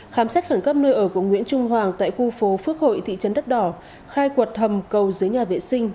khám xét khẩn cấp nơi ở của nguyễn trung hoàng tại khu phố phước hội thị trấn đất đỏ khai quật hầm cầu dưới nhà vệ sinh